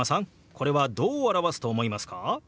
これはどう表すと思いますか？